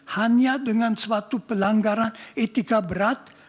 hanya dengan suatu pelanggaran etika berat